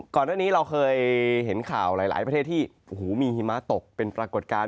ก่อนหน้านี้เราเคยเห็นข่าวหลายประเทศที่มีหิมะตกเป็นปรากฏการณ์